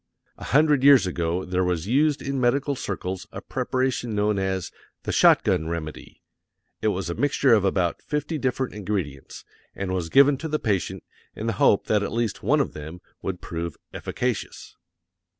A hundred years ago there was used in medical circles a preparation known as "the shot gun remedy;" it was a mixture of about fifty different ingredients, and was given to the patient in the hope that at least one of them would prove efficacious!